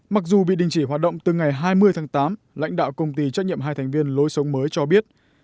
mặc dù bị đình chỉ hoạt động từ ngày hai mươi tháng tám lãnh đạo công ty trách nhiệm hai thành viên lối sống mới cho biết